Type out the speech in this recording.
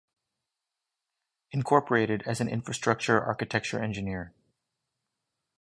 Incorporated as an Infrastructure Architecture Engineer.